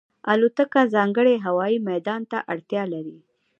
الوتکه ځانګړی هوايي میدان ته اړتیا لري.